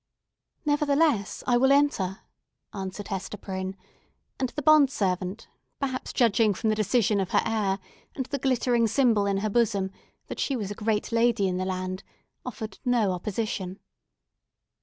"Nevertheless, I will enter," answered Hester Prynne; and the bond servant, perhaps judging from the decision of her air, and the glittering symbol in her bosom, that she was a great lady in the land, offered no opposition.